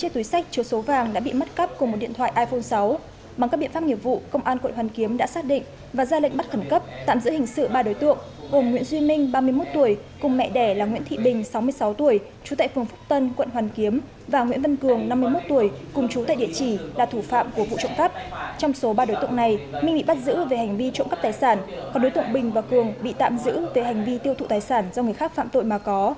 trong số ba đối tượng này minh bị bắt giữ về hành vi trộm cắp tài sản còn đối tượng bình và cường bị tạm giữ về hành vi tiêu thụ tài sản do người khác phạm tội mà có